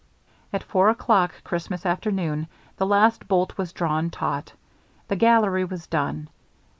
At four o'clock Christmas afternoon the last bolt was drawn taut. The gallery was done.